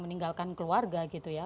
meninggalkan keluarga gitu ya